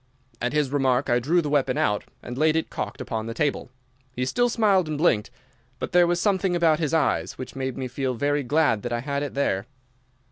At his remark I drew the weapon out and laid it cocked upon the table. He still smiled and blinked, but there was something about his eyes which made me feel very glad that I had it there.